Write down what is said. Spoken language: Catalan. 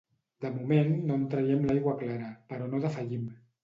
De moment no en traiem l'aigua clara, però no defallim